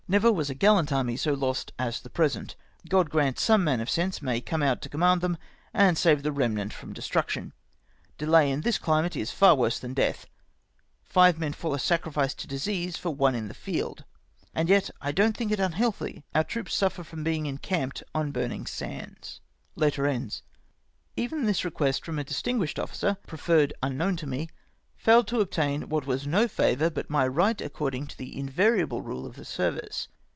Never was a gallant army so lost as the present. God grant some man of sense may come out to command them, and save the remnant from destruction. Delay in this climate is worse than death ; five men fall a sacrifice to disease for one in the field, and yet I don't think it unhealthy; our troops suffer from being encamped on burning sands." Even this request from a distinguished officer — pre ferred unknown to me — failed to obtain what was no favoiu , but my right according to the invariable ride of the service.